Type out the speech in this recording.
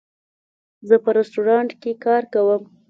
زه په رستورانټ کې کار کوم